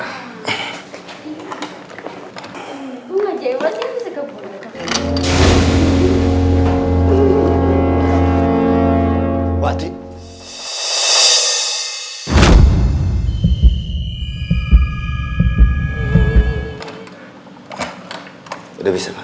aku mah jempol sih gak bisa kebun